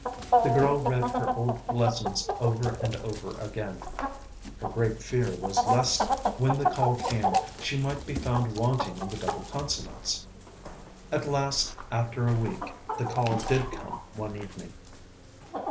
The girl read her old lessons over and over again her great fear was lest, when the call came, she might be found wanting in the double consonants. At last, after a week, the call did come one evening.